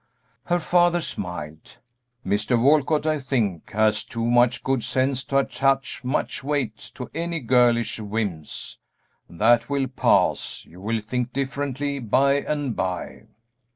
Her father smiled. "Mr. Walcott, I think, has too much good sense to attach much weight to any girlish whims; that will pass, you will think differently by and by."